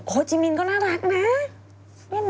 จิมินก็น่ารักนะ